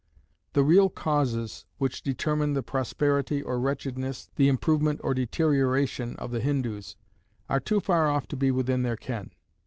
The real causes which determine the prosperity or wretchedness, the improvement or deterioration of the Hindoos, are too far off to be within their ken.